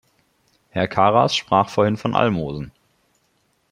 Herr Karas sprach vorhin von Almosen.